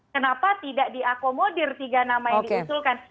kenapa tidak diakomodir tiga nama yang diusulkan